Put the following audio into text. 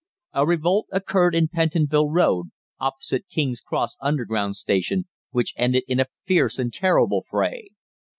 A revolt occurred in Pentonville Road, opposite King's Cross Underground Station, which ended in a fierce and terrible fray.